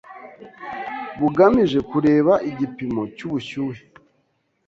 bugamije kureba igipimo cy’ubushyuhe